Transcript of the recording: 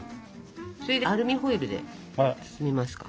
それでアルミホイルで包みますか。